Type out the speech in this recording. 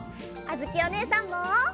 あづきおねえさんも！